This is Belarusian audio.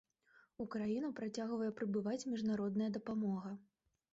У краіну працягвае прыбываць міжнародная дапамога.